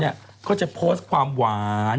ก็จะโพสต์ความหวาน